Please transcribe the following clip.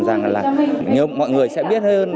rằng là mọi người sẽ biết hơn